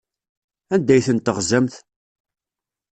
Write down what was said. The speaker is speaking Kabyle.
Anda ay ten-teɣzamt?